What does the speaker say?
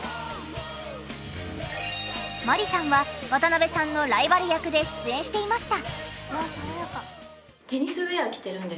万里さんは渡辺さんのライバル役で出演していました。